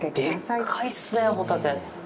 でっかいっすね、ホタテ。